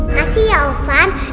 kasih ya opan